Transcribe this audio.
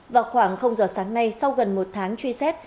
vào khoảng giờ sáng nay sau gần một tháng truy xét